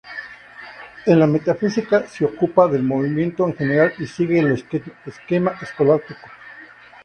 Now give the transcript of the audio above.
En la metafísica se ocupa del movimiento en general y sigue el esquema escolástico.